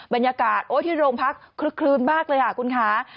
บรรยากาศที่โรงพักครึ้มบ้างเลยค่ะคุณค้า